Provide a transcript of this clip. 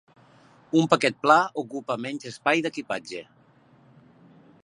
Un paquet pla ocupa menys espai d'equipatge.